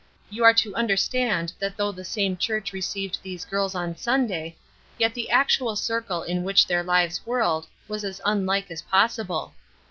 You are to understand that though the same church received these girls on Sunday, yet the actual circle in which their lives whirled was as unlike as possible.